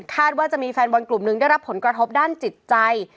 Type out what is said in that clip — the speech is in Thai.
ว่าจะมีแฟนบอลกลุ่มหนึ่งได้รับผลกระทบด้านจิตใจ